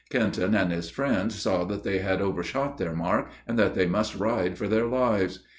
Kenton and his friends saw that they had overshot their mark, and that they must ride for their lives.